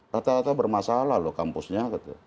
rata rata bermasalah loh kampusnya